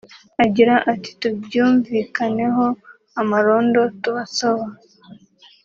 Agira ati “Tubyumvikaneho amarondo tubasaba